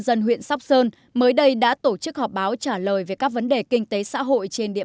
dân huyện sóc sơn mới đây đã tổ chức họp báo trả lời về các vấn đề kinh tế xã hội trên địa